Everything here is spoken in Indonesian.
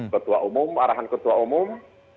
ketua umum arahan ketua umum